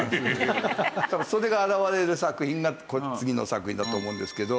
それが表れる作品が次の作品だと思うんですけど。